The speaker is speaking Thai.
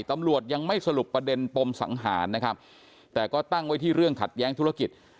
ตำรวจยังไม่สรุปประเด็นปมสังหารนะครับแต่ก็ตั้งไว้ที่เรื่องขัดแย้งธุรกิจ